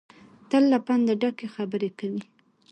تل له پنده ډکې خبرې کوي.